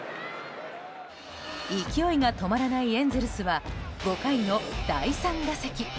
勢いが止まらないエンゼルスは５回の第３打席。